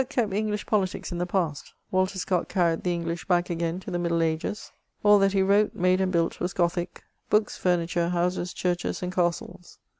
427 BuriLe kept EngHsb poHlics in the past ; Walter Scott ear ned the English hack again to the middle ages ; all that he wrote, made, and built, was Gothic: books, furniture, houses, dmrches, and castles.